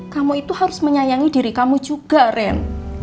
kamu itu harus menyayangi diri kamu juga ren